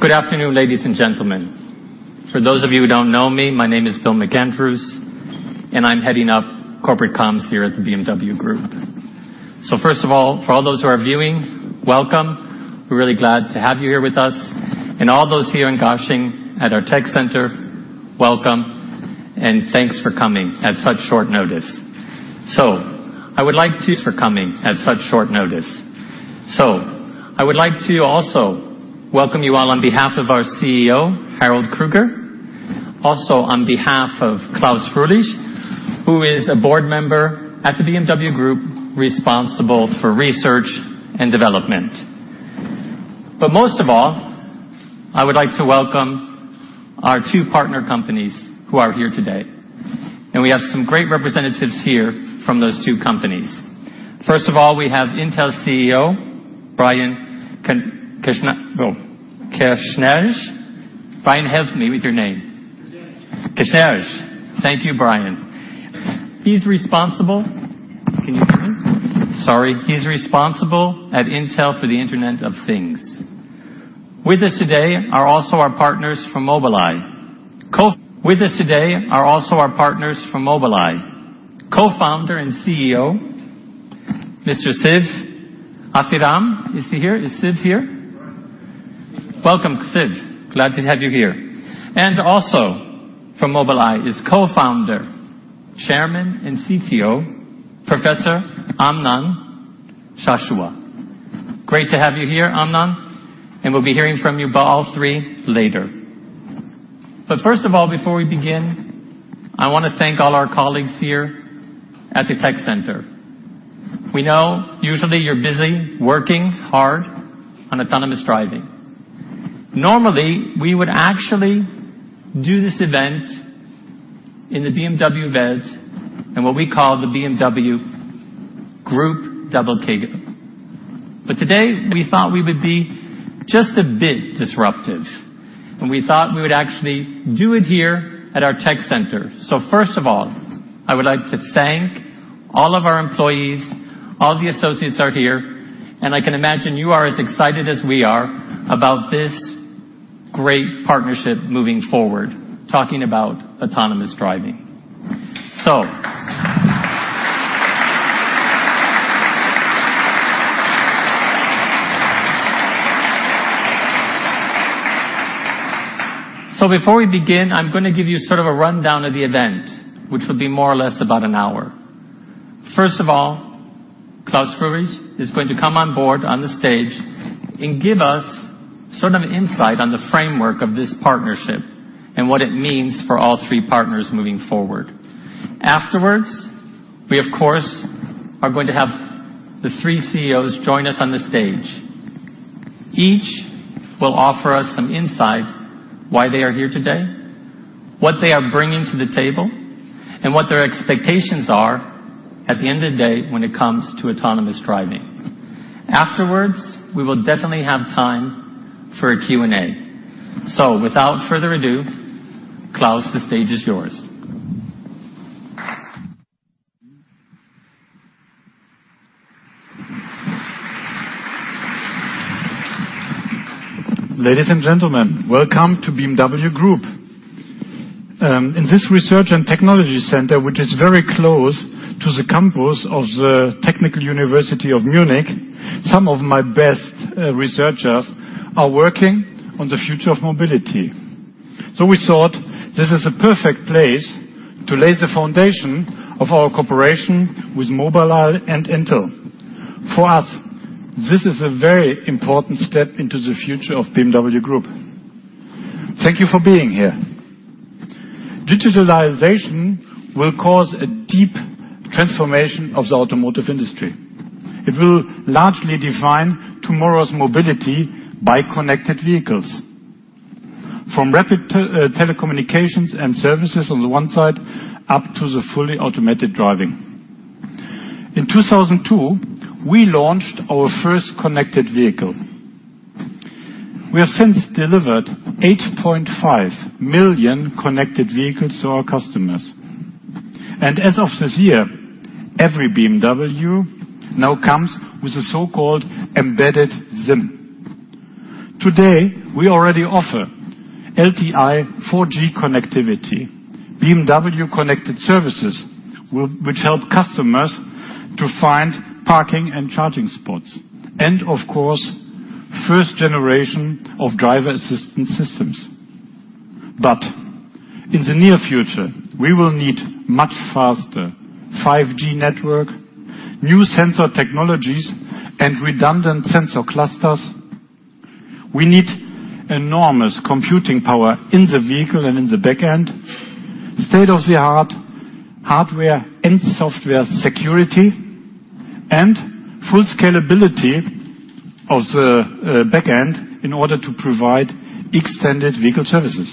Good afternoon, ladies and gentlemen. For those of you who don't know me, my name is Bill McAndrews, and I'm heading up corporate comms here at the BMW Group. First of all, for all those who are viewing, welcome. We're really glad to have you here with us and all those here in Garching at our tech center, welcome and thanks for coming at such short notice. I would like to also welcome you all on behalf of our CEO, Harald Krüger. Also, on behalf of Klaus Fröhlich, who is a board member at the BMW Group responsible for research and development. Most of all, I would like to welcome our two partner companies who are here today, and we have some great representatives here from those two companies. First of all, we have Intel CEO Brian Krzanich. Brian, help me with your name. Krzanich. Krzanich. Thank you, Brian. He's responsible at Intel for the Internet of Things. With us today are also our partners from Mobileye, Co-founder and CEO, Mr. Ziv Aviram. Is he here? Is Ziv here? Yeah. Welcome, Ziv. Glad to have you here. Also from Mobileye is Co-founder, Chairman and CTO, Professor Amnon Shashua. Great to have you here, Amnon, and we'll be hearing from you about all three later. First of all, before we begin, I want to thank all our colleagues here at the tech center. We know usually you're busy working hard on autonomous driving. Normally, we would actually do this event in the BMW VED in what we call the BMW Group Doppelkegel. Today we thought we would be just a bit disruptive, and we thought we would actually do it here at our tech center. First of all, I would like to thank all of our employees, all the associates are here, and I can imagine you are as excited as we are about this great partnership moving forward, talking about autonomous driving. Before we begin, I'm going to give you sort of a rundown of the event, which will be more or less about an hour. First of all, Klaus Fröhlich is going to come on board on the stage and give us sort of an insight on the framework of this partnership and what it means for all three partners moving forward. Afterwards, we, of course, are going to have the three CEOs join us on the stage. Each will offer us some insight why they are here today, what they are bringing to the table, and what their expectations are at the end of the day when it comes to autonomous driving. Afterwards, we will definitely have time for a Q&A. Without further ado, Klaus, the stage is yours. Ladies and gentlemen, welcome to BMW Group. In this research and technology center, which is very close to the campus of the Technical University of Munich, some of my best researchers are working on the future of mobility. We thought this is a perfect place to lay the foundation of our cooperation with Mobileye and Intel. For us, this is a very important step into the future of BMW Group. Thank you for being here. Digitalization will cause a deep transformation of the automotive industry. It will largely define tomorrow's mobility by connected vehicles, from rapid telecommunications and services on the one side, up to the fully automated driving. In 2002, we launched our first connected vehicle. We have since delivered 8.5 million connected vehicles to our customers. As of this year, every BMW now comes with the so-called embedded SIM. Today, we already offer LTE 4G connectivity, BMW connected services, which help customers to find parking and charging spots, and of course, first generation of driver assistance systems. In the near future, we will need much faster 5G network, new sensor technologies, and redundant sensor clusters. We need enormous computing power in the vehicle and in the back end, state-of-the-art hardware and software security, and full scalability of the back end in order to provide extended vehicle services.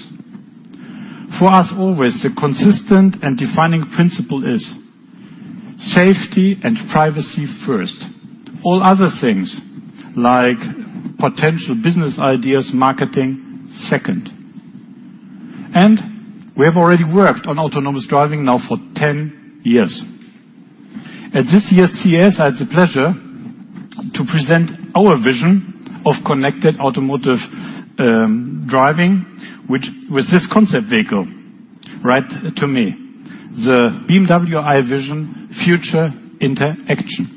For us always, the consistent and defining principle is safety and privacy first. All other things like potential business ideas, marketing. We have already worked on autonomous driving now for 10 years. At this year's CES, I had the pleasure to present our vision of connected automotive driving with this concept vehicle right to me, the BMW i Vision Future Interaction.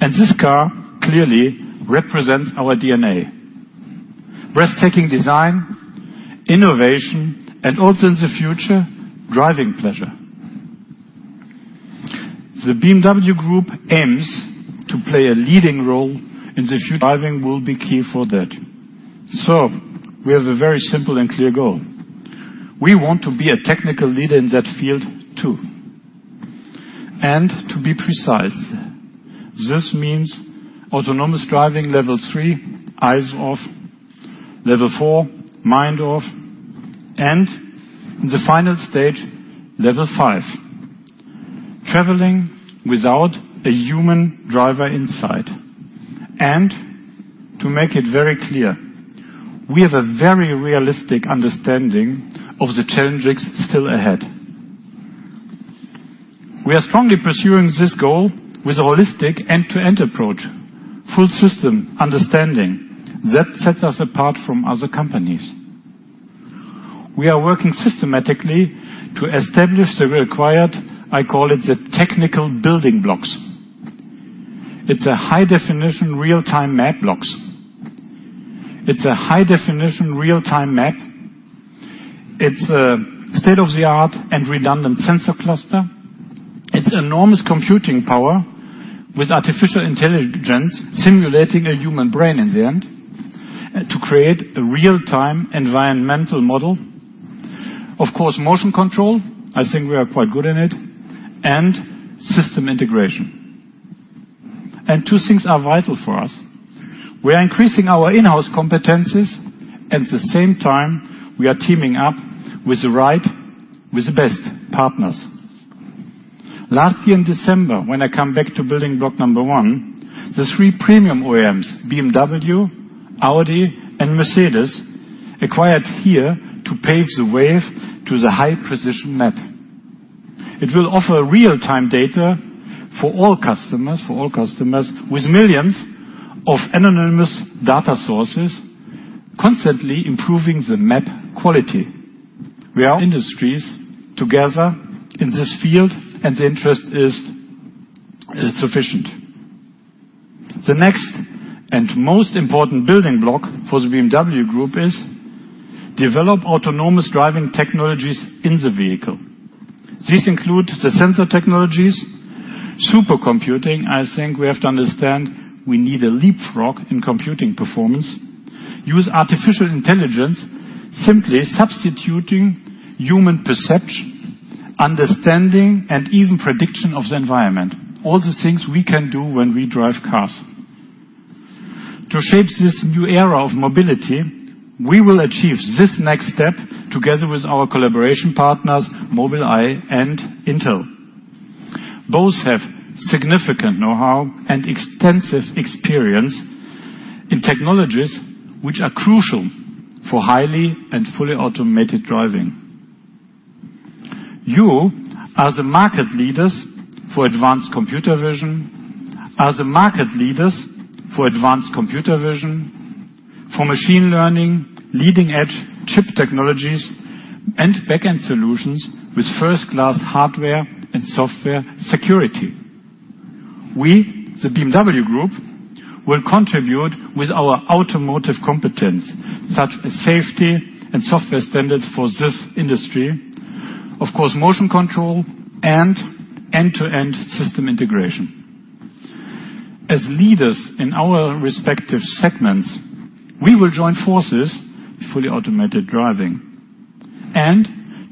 This car clearly represents our DNA. Breathtaking design, innovation, and also in the future, driving pleasure. The BMW Group aims to play a leading role in the future. Driving will be key for that. We have a very simple and clear goal. We want to be a technical leader in that field too. To be precise, this means autonomous driving Level 3, eyes off; Level 4, mind off; and the final stage, Level 5, traveling without a human driver inside. To make it very clear, we have a very realistic understanding of the challenges still ahead. We are strongly pursuing this goal with a holistic end-to-end approach, full system understanding that sets us apart from other companies. We are working systematically to establish the required, I call it, the technical building blocks. It's a high-definition real-time map. It's a state-of-the-art and redundant sensor cluster. It's enormous computing power with artificial intelligence simulating a human brain in the end to create a real-time environmental model. Of course, motion control, I think we are quite good in it, and system integration. Two things are vital for us. We are increasing our in-house competencies. At the same time, we are teaming up with the right, with the best partners. Last year in December, when I come back to building block number 1, the three premium OEMs, BMW, Audi, and Mercedes, acquired HERE to pave the way to the high-precision map. It will offer real-time data for all customers with millions of anonymous data sources, constantly improving the map quality. The interest is sufficient. The next and most important building block for the BMW Group is develop autonomous driving technologies in the vehicle. This includes the sensor technologies, supercomputing. I think we have to understand we need a leapfrog in computing performance. Use artificial intelligence, simply substituting human perception, understanding, and even prediction of the environment. All the things we can do when we drive cars. To shape this new era of mobility, we will achieve this next step together with our collaboration partners, Mobileye and Intel. Both have significant know-how and extensive experience in technologies which are crucial for highly and fully automated driving. You are the market leaders for advanced computer vision, for machine learning, leading-edge chip technologies, and back-end solutions with first-class hardware and software security. We, the BMW Group, will contribute with our automotive competence, such as safety and software standards for this industry, of course, motion control, and end-to-end system integration. As leaders in our respective segments, we will join forces for the automated driving and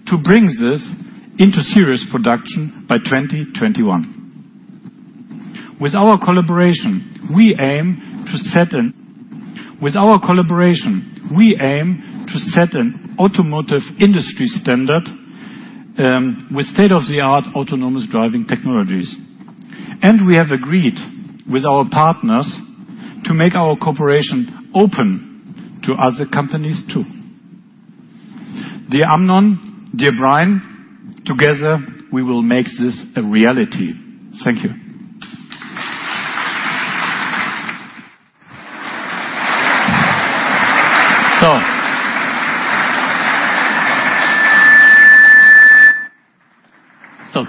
to bring this into serious production by 2021. With our collaboration, we aim to set an automotive industry standard with state-of-the-art autonomous driving technologies. We have agreed with our partners to make our cooperation open to other companies, too. Dear Amnon, dear Brian, together, we will make this a reality. Thank you.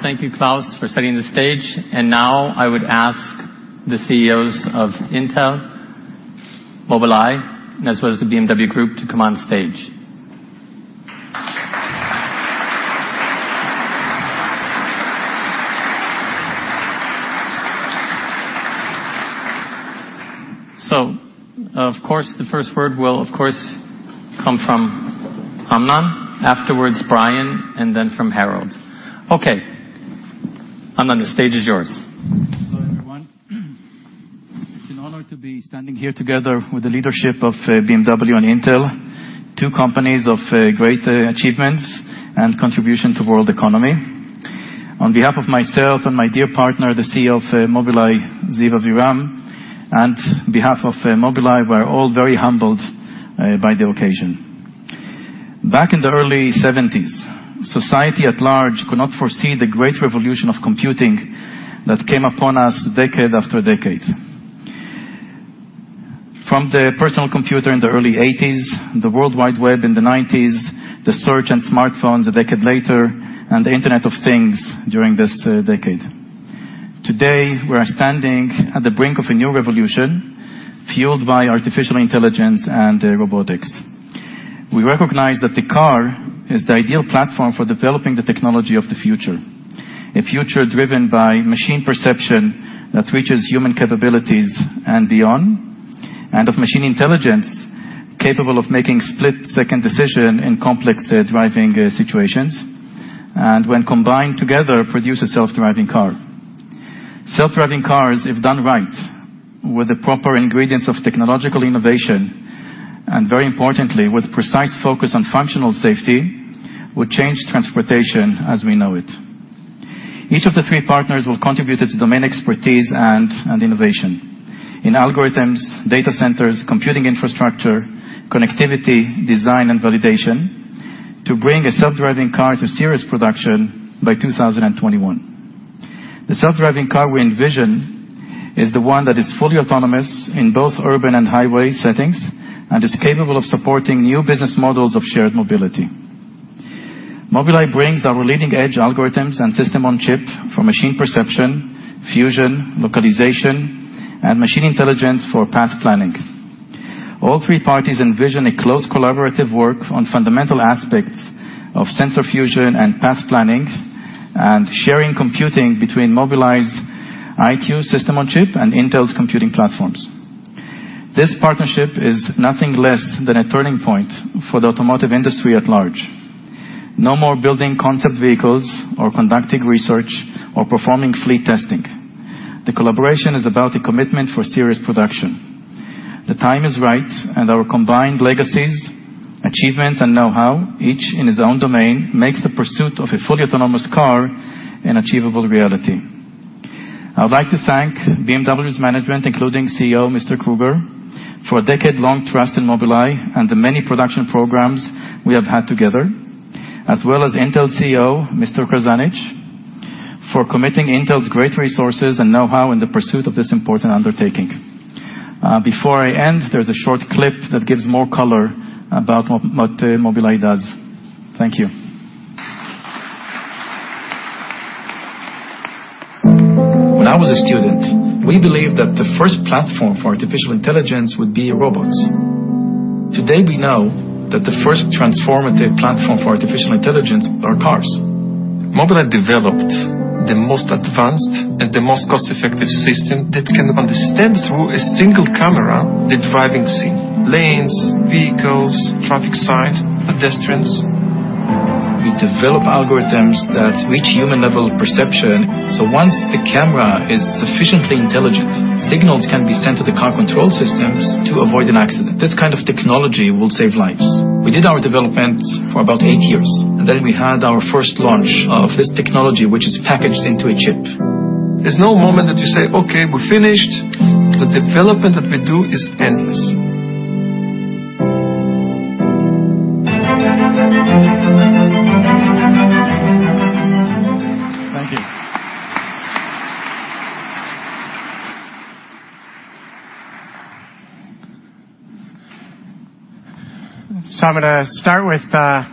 Thank you, Klaus, for setting the stage. Now I would ask the CEOs of Intel, Mobileye, and as well as the BMW Group to come on stage. Of course, the first word will, of course, come from Amnon, afterwards Brian, and then from Harald. Okay. Amnon, the stage is yours. Hello, everyone. It's an honor to be standing here together with the leadership of BMW and Intel, two companies of great achievements and contribution to world economy. On behalf of myself and my dear partner, the CEO of Mobileye, Ziv Aviram, and behalf of Mobileye, we are all very humbled by the occasion. Back in the early '70s, society at large could not foresee the great revolution of computing that came upon us decade after decade. From the personal computer in the early '80s, the World Wide Web in the '90s, the search and smartphones a decade later, and the Internet of Things during this decade. Today, we are standing at the brink of a new revolution fueled by artificial intelligence and robotics. We recognize that the car is the ideal platform for developing the technology of the future, a future driven by machine perception that reaches human capabilities and beyond, and of machine intelligence capable of making split-second decisions in complex driving situations, and when combined together, produce a self-driving car. Self-driving cars, if done right, with the proper ingredients of technological innovation, and very importantly, with precise focus on functional safety, will change transportation as we know it. Each of the three partners will contribute its domain expertise and innovation in algorithms, data centers, computing infrastructure, connectivity, design, and validation to bring a self-driving car to serious production by 2021. The self-driving car we envision is the one that is fully autonomous in both urban and highway settings and is capable of supporting new business models of shared mobility. Mobileye brings our leading-edge algorithms and system on chip for machine perception, fusion, localization, and machine intelligence for path planning. All three parties envision a close collaborative work on fundamental aspects of sensor fusion and path planning and sharing computing between Mobileye's EyeQ system on chip and Intel's computing platforms. This partnership is nothing less than a turning point for the automotive industry at large. No more building concept vehicles or conducting research or performing fleet testing. The collaboration is about a commitment for serious production. The time is right, and our combined legacies, achievements, and know-how, each in its own domain, makes the pursuit of a fully autonomous car an achievable reality. I would like to thank BMW's management, including CEO, Mr. Krüger, for a decade-long trust in Mobileye and the many production programs we have had together, as well as Intel CEO, Mr. Krzanich, for committing Intel's great resources and know-how in the pursuit of this important undertaking. Before I end, there's a short clip that gives more color about what Mobileye does. Thank you. When I was a student, we believed that the first platform for artificial intelligence would be robots. Today, we know that the first transformative platform for artificial intelligence are cars. Mobileye developed the most advanced and the most cost-effective system that can understand through a single camera the driving scene, lanes, vehicles, traffic signs, pedestrians. We develop algorithms that reach human-level perception, so once the camera is sufficiently intelligent, signals can be sent to the car control systems to avoid an accident. This kind of technology will save lives. We did our development for about eight years, and then we had our first launch of this technology, which is packaged into a chip. There's no moment that you say, "Okay, we're finished." The development that we do is endless. Thank you.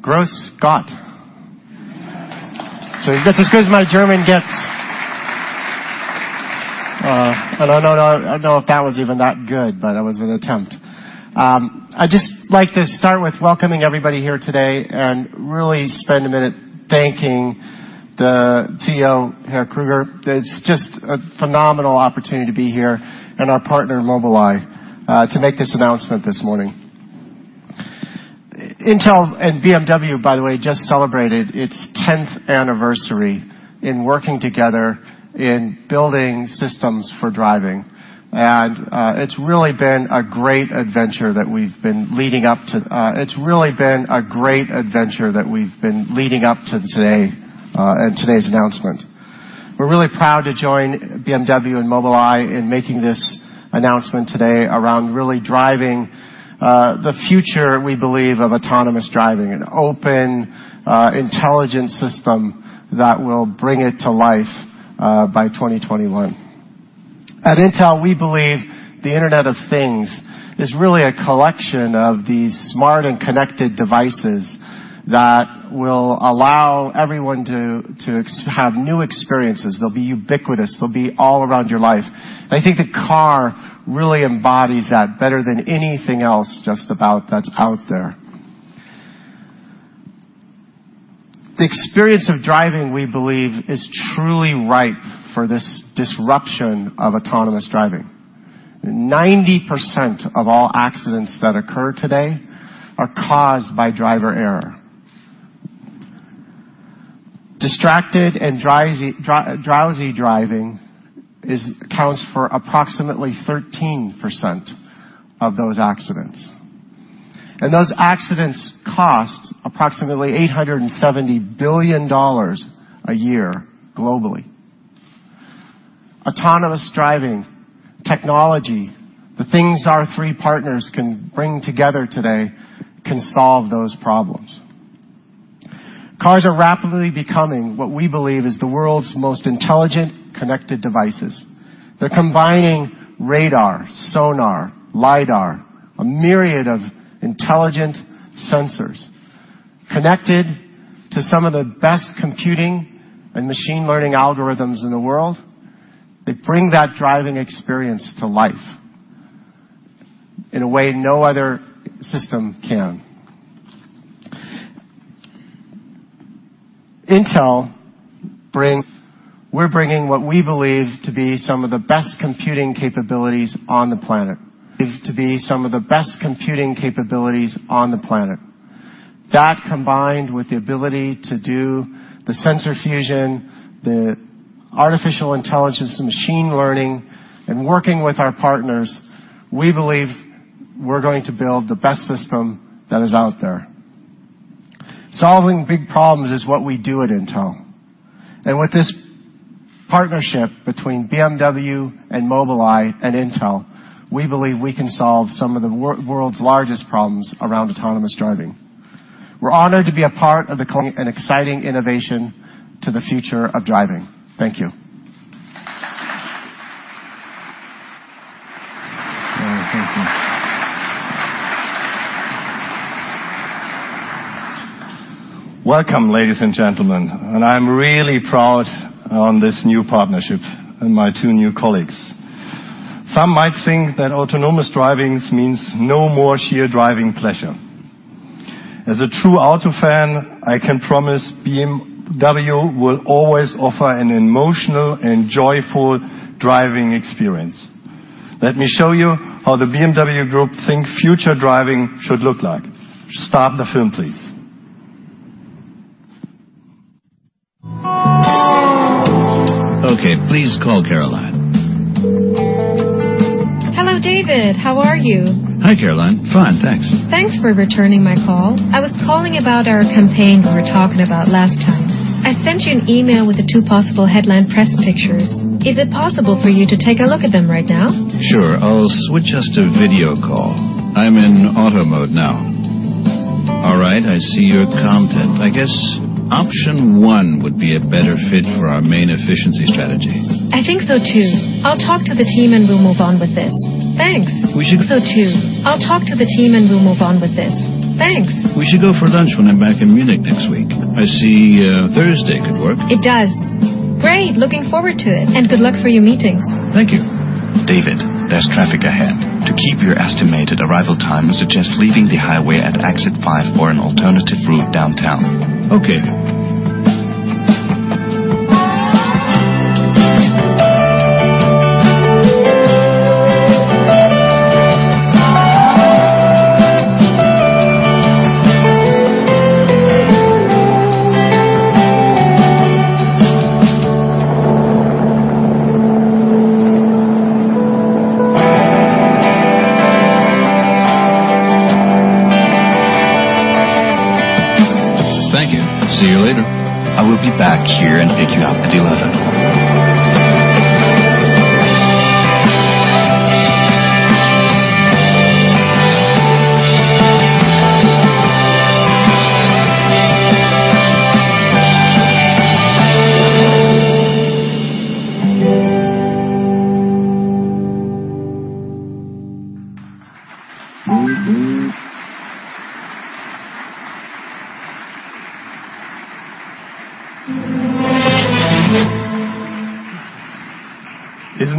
Grüß Gott! That's as good as my German gets. I don't know if that was even that good, but it was an attempt. I'd just like to start with welcoming everybody here today and really spend a minute thanking the CEO, Herr Krüger. It's just a phenomenal opportunity to be here, and our partner, Mobileye, to make this announcement this morning. Intel and BMW, by the way, just celebrated its tenth anniversary in working together in building systems for driving. It's really been a great adventure that we've been leading up to today and today's announcement. We're really proud to join BMW and Mobileye in making this announcement today around really driving the future, we believe, of autonomous driving, an open intelligence system that will bring it to life by 2021. At Intel, we believe the Internet of Things is really a collection of these smart and connected devices that will allow everyone to have new experiences. They'll be ubiquitous. They'll be all around your life. I think the car really embodies that better than anything else just about that's out there. The experience of driving, we believe, is truly ripe for this disruption of autonomous driving. 90% of all accidents that occur today are caused by driver error. Distracted and drowsy driving accounts for approximately 13% of those accidents. Those accidents cost approximately $870 billion a year globally. Autonomous driving technology, the things our three partners can bring together today, can solve those problems. Cars are rapidly becoming what we believe is the world's most intelligent, connected devices. They're combining radar, sonar, lidar, a myriad of intelligent sensors connected to some of the best computing and machine learning algorithms in the world. They bring that driving experience to life in a way no other system can. Intel, we're bringing what we believe to be some of the best computing capabilities on the planet. That combined with the ability to do the sensor fusion, the artificial intelligence, the machine learning, and working with our partners, we believe we're going to build the best system that is out there. Solving big problems is what we do at Intel. With this partnership between BMW and Mobileye and Intel, we believe we can solve some of the world's largest problems around autonomous driving. We're honored to be a part of the and exciting innovation to the future of driving. Thank you. Welcome, ladies and gentlemen. I'm really proud on this new partnership and my two new colleagues. Some might think that autonomous driving means no more sheer driving pleasure. As a true auto fan, I can promise BMW will always offer an emotional and joyful driving experience. Let me show you how the BMW Group think future driving should look like. Start the film, please. Okay, please call Caroline. Hello, David. How are you? Hi, Caroline. Fine, thanks. Thanks for returning my call. I was calling about our campaign we were talking about last time. I sent you an email with the two possible headline press pictures. Is it possible for you to take a look at them right now? Sure. I'll switch us to video call. I'm in auto mode now. All right, I see your content. I guess option 1 would be a better fit for our main efficiency strategy. I think so too. I'll talk to the team. We'll move on with this. Thanks. We should- I think so too. I'll talk to the team. We'll move on with this. Thanks. We should go for lunch when I'm back in Munich next week. I see Thursday could work. It does. Great. Looking forward to it. Good luck for your meeting. Thank you. David, there's traffic ahead. To keep your estimated arrival time, I suggest leaving the highway at exit five for an alternative route downtown. Okay.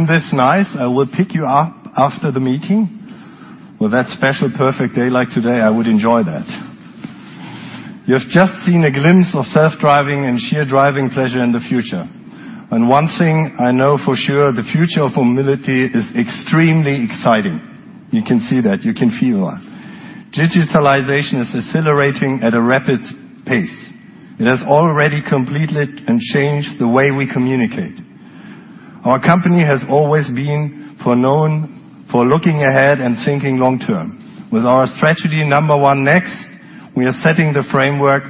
Thank you. See you later. I will be back here and pick you up at 11:00. Isn't this nice? I will pick you up after the meeting. With that special perfect day like today, I would enjoy that. You have just seen a glimpse of self-driving and sheer driving pleasure in the future. One thing I know for sure, the future of mobility is extremely exciting. You can see that. You can feel that. Digitalization is accelerating at a rapid pace. It has already completely changed the way we communicate. Our company has always been known for looking ahead and thinking long-term. With our strategy NUMBER ONE > NEXT, we are setting the framework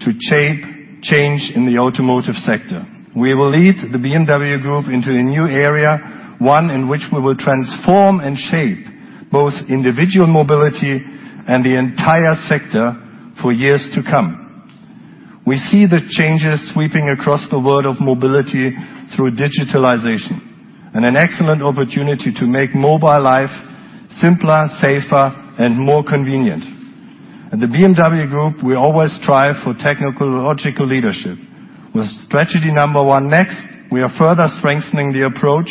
to change in the automotive sector. We will lead the BMW Group into a new area, one in which we will transform and shape both individual mobility and the entire sector for years to come. We see the changes sweeping across the world of mobility through digitalization and an excellent opportunity to make mobile life simpler, safer, and more convenient. At the BMW Group, we always strive for technological leadership. With strategy NUMBER ONE > NEXT, we are further strengthening the approach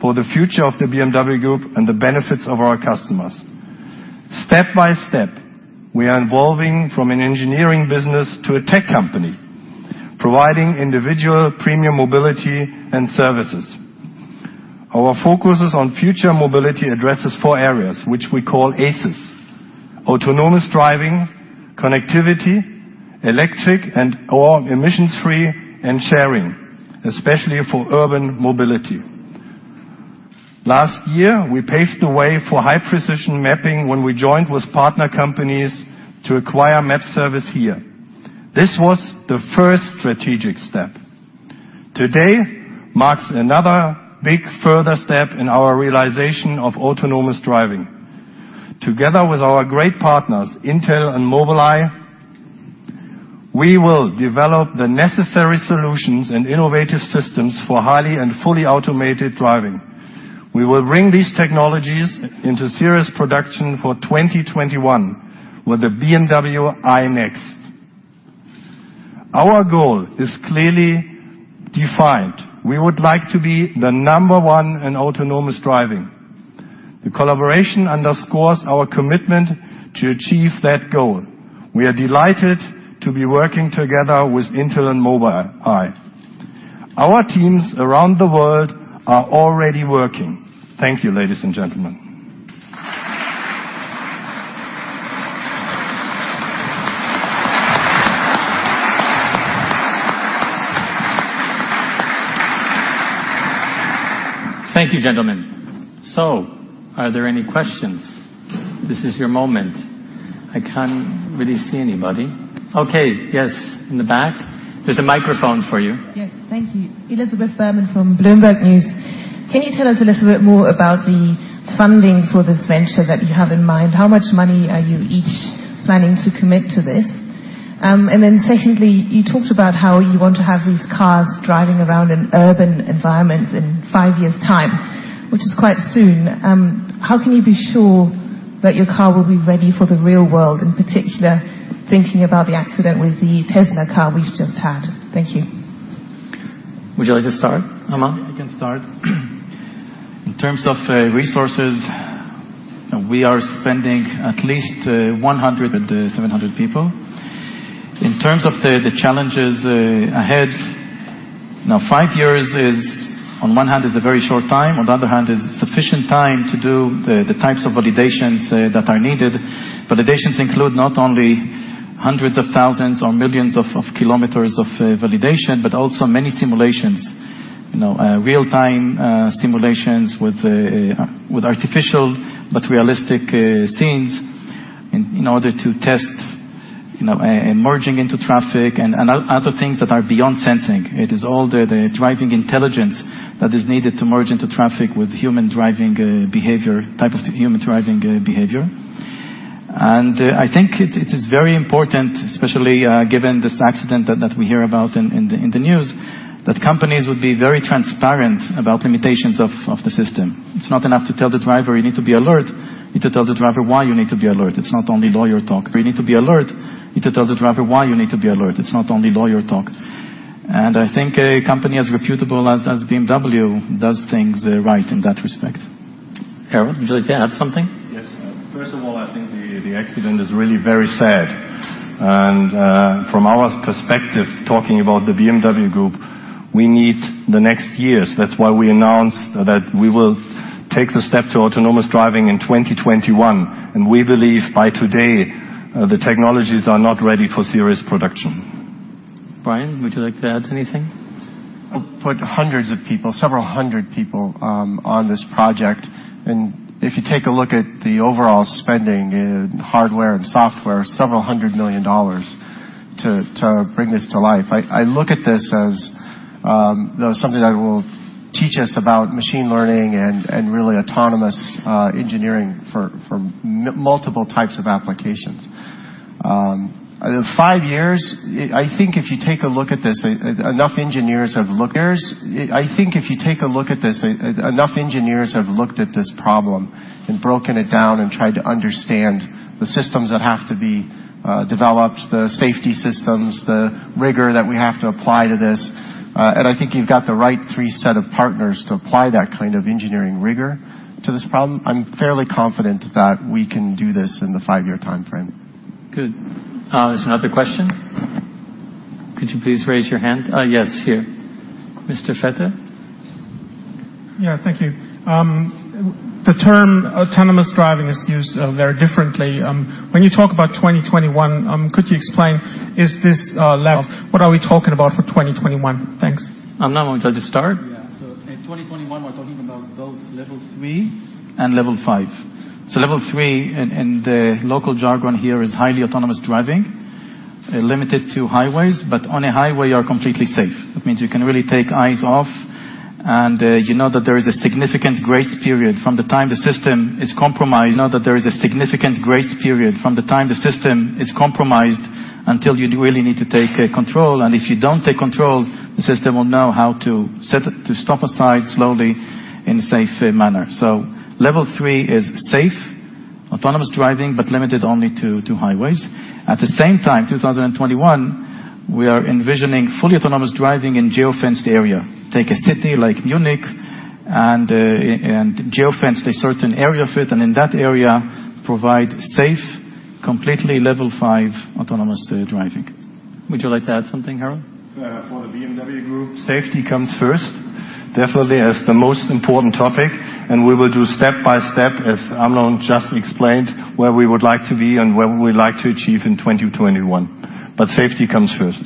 for the future of the BMW Group and the benefits of our customers. Step by step, we are evolving from an engineering business to a tech company, providing individual premium mobility and services. Our focuses on future mobility addresses four areas, which we call ACES: autonomous driving, connectivity, electric and/or emissions free, and sharing, especially for urban mobility. Last year, we paved the way for high precision mapping when we joined with partner companies to acquire map service HERE. This was the first strategic step. Today marks another big further step in our realization of autonomous driving. Together with our great partners, Intel and Mobileye, we will develop the necessary solutions and innovative systems for highly and fully automated driving. We will bring these technologies into serious production for 2021 with the BMW iNEXT. Our goal is clearly defined. We would like to be the number one in autonomous driving. The collaboration underscores our commitment to achieve that goal. We are delighted to be working together with Intel and Mobileye. Our teams around the world are already working. Thank you, ladies and gentlemen. Thank you, gentlemen. Are there any questions? This is your moment. I can't really see anybody. Okay. Yes, in the back. There's a microphone for you. Yes. Thank you. Elisabeth Behrmann from Bloomberg News. Can you tell us a little bit more about the funding for this venture that you have in mind? How much money are you each planning to commit to this? Secondly, you talked about how you want to have these cars driving around in urban environments in five years' time, which is quite soon. How can you be sure that your car will be ready for the real world, in particular, thinking about the accident with the Tesla car we've just had? Thank you. Would you like to start, Amnon? I can start. In terms of resources, we are spending at least $100 with 700 people. In terms of the challenges ahead, 5 years is on one hand is a very short time, on the other hand, is sufficient time to do the types of validations that are needed. Validations include not only hundreds of thousands or millions of kilometers of validation, but also many simulations. Real-time simulations with artificial but realistic scenes in order to test merging into traffic and other things that are beyond sensing. It is all the driving intelligence that is needed to merge into traffic with type of human driving behavior. I think it is very important, especially given this accident that we hear about in the news, that companies would be very transparent about limitations of the system. It's not enough to tell the driver you need to be alert. You need to tell the driver why you need to be alert. It's not only lawyer talk. You need to be alert. You need to tell the driver why you need to be alert. It's not only lawyer talk. I think a company as reputable as BMW does things right in that respect. Harald, would you like to add something? Yes. First of all, I think the accident is really very sad. From our perspective, talking about the BMW Group, we need the next years. That's why we announced that we will take the step to autonomous driving in 2021. We believe by today, the technologies are not ready for serious production. Brian, would you like to add anything? I'll put hundreds of people, several hundred people on this project. If you take a look at the overall spending in hardware and software, several hundred million dollars to bring this to life. I look at this as something that will teach us about machine learning and really autonomous engineering for multiple types of applications. 5 years, I think if you take a look at this, enough engineers have looked at this problem and broken it down and tried to understand the systems that have to be developed, the safety systems, the rigor that we have to apply to this. I think you've got the right three set of partners to apply that kind of engineering rigor to this problem. I'm fairly confident that we can do this in the 5-year timeframe. Good. There's another question. Could you please raise your hand? Yes, here. Mr. Fetter? Yeah, thank you. The term autonomous driving is used very differently. When you talk about 2021, could you explain, is this level? What are we talking about for 2021? Thanks. Amnon, would you like to start? In 2021, we're talking about both Level 3 and Level 5. Level 3 in the local jargon here is highly autonomous driving, limited to highways, but on a highway, you're completely safe. That means you can really take eyes off, and you know that there is a significant grace period from the time the system is compromised until you really need to take control. If you don't take control, the system will know how to stop aside slowly in a safe manner. Level 3 is safe, autonomous driving, but limited only to two highways. At the same time, 2021, we are envisioning fully autonomous driving in geofenced area. Take a city like Munich and geofence a certain area of it, and in that area, provide safe, completely Level 5 autonomous driving. Would you like to add something, Harald? For the BMW Group, safety comes first, definitely as the most important topic. We will do step by step, as Amnon just explained, where we would like to be and where we would like to achieve in 2021. Safety comes first.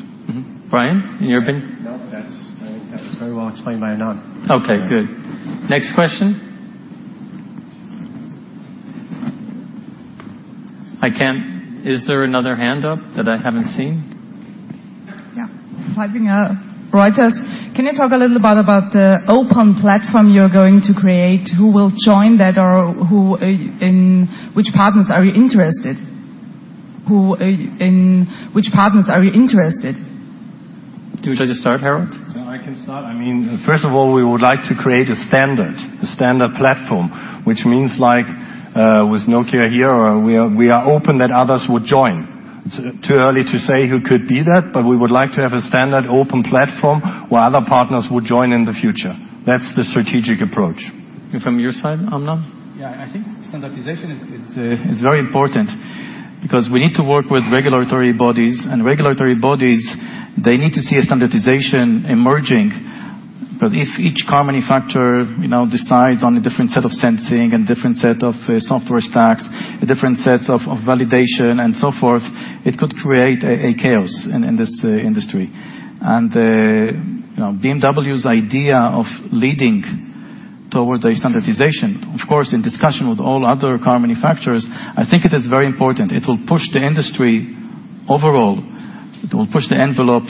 Brian, in your opinion? No, that's very well explained by Amnon. Okay, good. Next question. Is there another hand up that I haven't seen? Yeah. Writing up. Reuters. Can you talk a little bit about the open platform you're going to create? Who will join that or which partners are you interested? Do you want you to start, Harald? Yeah, I can start. First of all, we would like to create a standard platform, which means like, with Nokia HERE, we are open that others would join. It's too early to say who could be that, but we would like to have a standard open platform where other partners would join in the future. That's the strategic approach. From your side, Amnon? Yeah, I think standardization is very important because we need to work with regulatory bodies. Regulatory bodies, they need to see a standardization emerging. Because if each car manufacturer decides on a different set of sensing and different set of software stacks, different sets of validation, and so forth, it could create a chaos in this industry. BMW's idea of leading toward a standardization, of course, in discussion with all other car manufacturers, I think it is very important. It will push the industry overall. It will push the envelope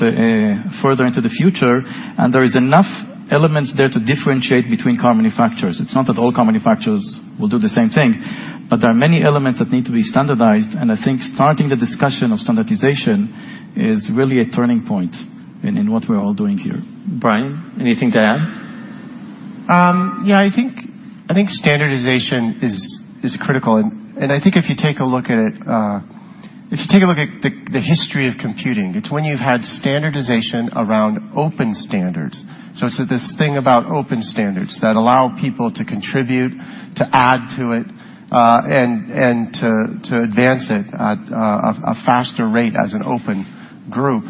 further into the future, and there is enough elements there to differentiate between car manufacturers. It's not that all car manufacturers will do the same thing, but there are many elements that need to be standardized, and I think starting the discussion of standardization is really a turning point in what we're all doing here. Brian, anything to add? Yeah. I think standardization is critical. I think if you take a look at the history of computing, it's when you've had standardization around open standards. It's this thing about open standards that allow people to contribute, to add to it, and to advance it at a faster rate as an open group.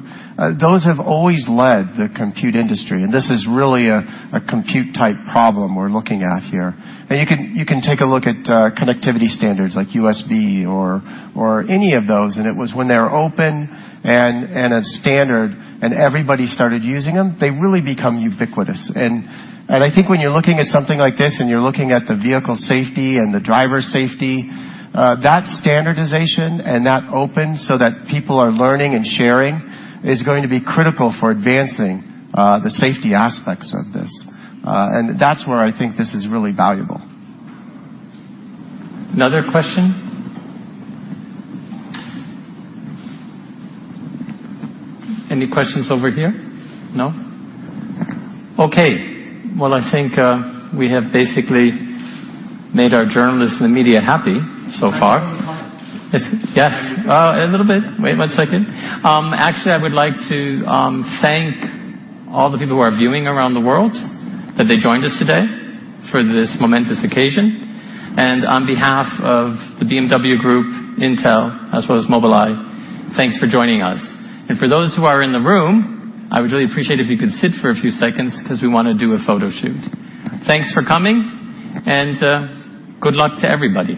Those have always led the compute industry, this is really a compute type problem we're looking at here. You can take a look at connectivity standards like USB or any of those, it was when they were open and a standard and everybody started using them, they really become ubiquitous. I think when you're looking at something like this, and you're looking at the vehicle safety and the driver safety, that standardization and that open so that people are learning and sharing is going to be critical for advancing the safety aspects of this. That's where I think this is really valuable. Another question? Any questions over here? No? Okay. Well, I think we have basically made our journalists and the media happy so far. Time for one comment. Yes. A little bit. Wait one second. Actually, I would like to thank all the people who are viewing around the world, that they joined us today for this momentous occasion. On behalf of the BMW Group, Intel, as well as Mobileye, thanks for joining us. For those who are in the room, I would really appreciate if you could sit for a few seconds because we want to do a photo shoot. Thanks for coming, and good luck to everybody